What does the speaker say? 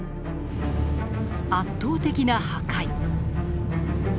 圧倒的な破壊。